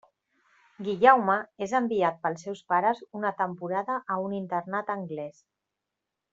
Guillaume és enviat pels seus pares una temporada a un internat anglès.